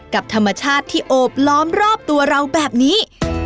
กับธรรมชาติที่โอบล้อมรอบตัวเราแบบนี้